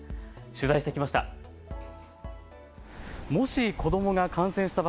取材してきました。